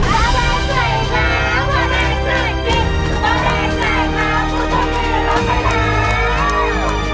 เบาแดงสวยมากเบาแดงสวยจริงเบาแดงสวยมากคุณผู้โชคดีเราไปแล้ว